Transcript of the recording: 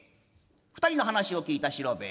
二人の話を聞いた四郎兵衛。